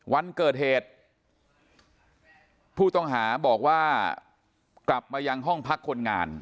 วันเกิดเหตุผู้ต้องหาบอกว่ากลับมายังห้องพักคนงาน